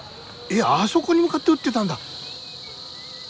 あそこに向かって打ってたんだ。